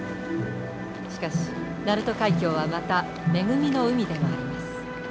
しかし鳴門海峡はまた恵みの海でもあります。